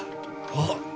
あっ。